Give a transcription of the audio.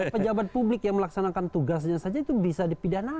pejabat publik yang melaksanakan tugasnya saja itu bisa dipidanakan